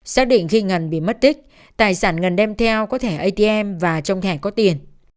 xác định khi ngân bị mất tích tài sản ngân đem theo có thẻ atm và trong thẻ có tiền